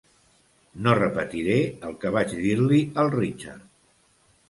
No repetiré el que vaig dir-li al Richard.